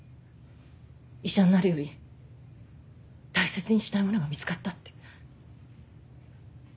医者になるより大切にしたいものが見つかった」って。